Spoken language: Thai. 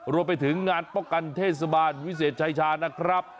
รวมไปถึงงานป้องกันเทศบาลวิเศษชายชานะครับ